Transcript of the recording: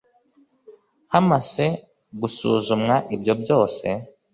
Hamase gusuzumwa ibyo byose